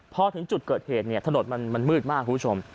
เพราะถึงจุดเกิดเหตุถนนมันมืดมากคุณผู้ชม